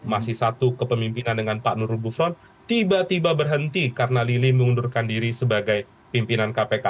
masih satu kepemimpinan dengan pak nur gufron tiba tiba berhenti karena lili mengundurkan diri sebagai pimpinan kpk